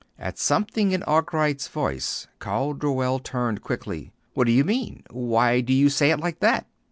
At something in Arkwright's voice, Calderwell turned quickly. "What do you mean? Why do you say it like that?"